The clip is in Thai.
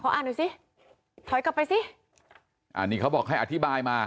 อ่านดูสิถอยกลับไปสิอ่านี่เขาบอกให้อธิบายมา